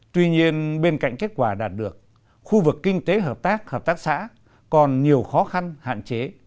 tuy nhiên bên cạnh kết quả đạt được khu vực kinh tế hợp tác hợp tác xã còn nhiều khó khăn hạn chế